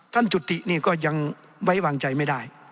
จุตินี่ก็ยังไว้วางใจไม่ได้